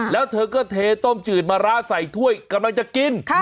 แล้วเธอก็เทต้มจืดมะระใส่ถ้วยกำลังจะกิน